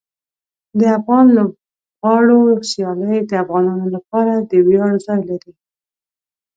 د افغان لوبغاړو سیالۍ د افغانانو لپاره د ویاړ ځای لري.